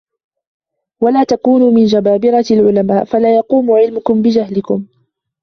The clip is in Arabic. وَلَا تَكُونُوا مِنْ جَبَابِرَةِ الْعُلَمَاءِ فَلَا يَقُومُ عِلْمُكُمْ بِجَهْلِكُمْ